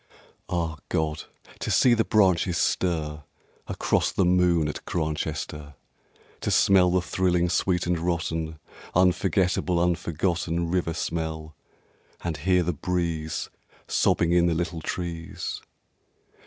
Ah God! to see the branches stir Across the moon at Grantchester! To smell the thrilling sweet and rotten Unforgettable, unforgotten River smell, and hear the breeze Sobbing in the little trees.